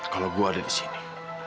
kalau gue ada di sini